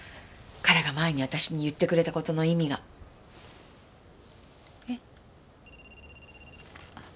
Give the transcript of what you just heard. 彼が前に私に言ってくれた事の意味が。え？